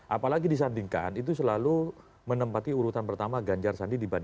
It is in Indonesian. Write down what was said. apalagi disandingkan itu selalu menempati urutan pertama ganjar sandi